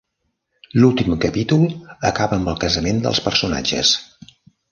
L'últim capítol acaba amb el casament dels personatges.